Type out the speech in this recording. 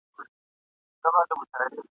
په دلیل او په منطق ښکلی انسان دی ..